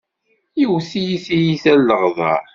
Yewwet-iyi tiyita n leɣder.